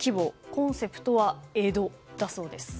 コンセプトは江戸だそうです。